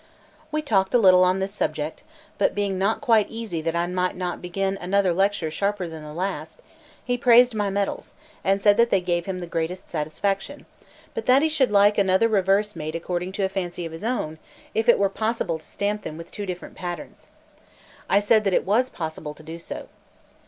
We talked a little on this subject; but being not quite easy that I might not begin another lecture sharper than the last, he praised my medals, and said they gave him the greatest satisfaction, but that he should like another reverse made according to a fancy of his own, if it were possible to stamp them with two different patterns. I said that it was possible to do so.